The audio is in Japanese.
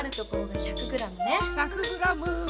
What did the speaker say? １００ｇ。